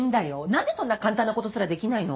何でそんな簡単なことすらできないの？